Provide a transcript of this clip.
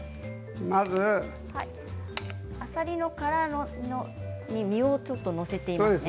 あさりの殻に身をちょっと載せているんですね。